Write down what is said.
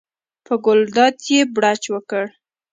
په ګلداد یې بړچ وکړ.